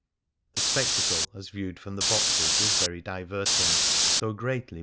The spectacle as viewed from the boxes is very diverting, though greatly ii8 Copyyii^ ht H.